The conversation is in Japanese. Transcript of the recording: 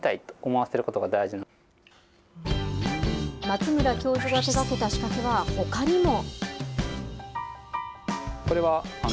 松村教授が手がけた仕掛けはほかにも。